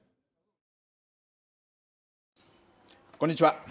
こんにちは。